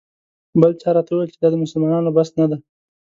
بل چا راته وویل چې دا د مسلمانانو بس نه دی.